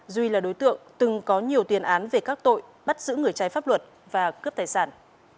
duy là đối tượng từng có nhiều tuyên án về các tội bắt giữ người trái pháp luật và cướp tài sản